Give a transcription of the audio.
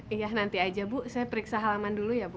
iya nanti aja bu saya periksa halaman dulu ya bu